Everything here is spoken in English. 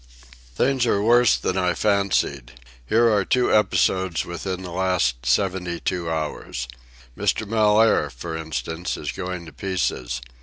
Things are worse than I fancied. Here are two episodes within the last seventy two hours. Mr. Mellaire, for instance, is going to pieces.